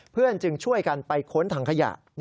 เพื่อนจึงช่วยกันไปขนถังขยะ